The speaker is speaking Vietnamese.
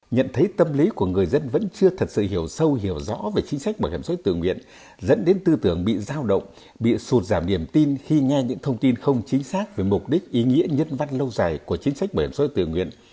nhận thấy tâm lý của người dân vẫn chưa thật sự hiểu sâu hiểu rõ về chính sách bảo hiểm xã hội tự nguyện dẫn đến tư tưởng bị giao động bị sụt giảm niềm tin khi nghe những thông tin không chính xác về mục đích ý nghĩa nhân văn lâu dài của chính sách bảo hiểm xã hội tự nguyện